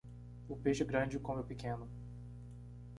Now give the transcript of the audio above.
O peixe grande come o pequeno.